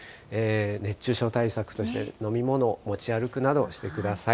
熱中症対策として、飲み物持ち歩くなどしてください。